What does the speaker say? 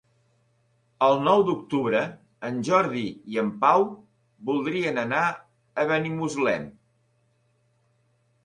El nou d'octubre en Jordi i en Pau voldrien anar a Benimuslem.